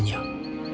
hanya satu peluang